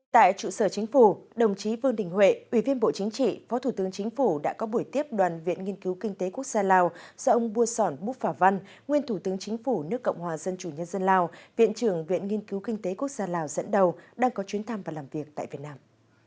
tại trụ sở chính phủ đồng chí vương đình huệ ủy viên bộ chính trị phó thủ tướng chính phủ đã có buổi tiếp đoàn viện nghiên cứu kinh tế quốc gia lào do ông bua sòn búc phả văn nguyên thủ tướng chính phủ nước cộng hòa dân chủ nhân dân lào viện trưởng viện nghiên cứu kinh tế quốc gia lào dẫn đầu đang có chuyến thăm và làm việc tại việt nam